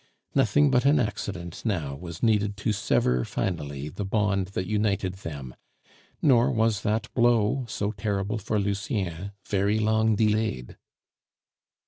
Nothing but an accident now was needed to sever finally the bond that united them; nor was that blow, so terrible for Lucien, very long delayed.